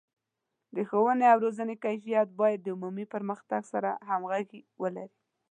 د ښوونې او روزنې کیفیت باید د علمي پرمختګ سره همغږي ولري.